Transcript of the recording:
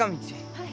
はい。